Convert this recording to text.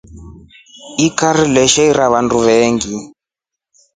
Ikari leshiira vandu veengi.